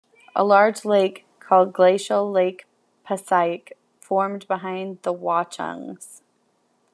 A large lake, called Glacial Lake Passaic, formed behind the Watchungs.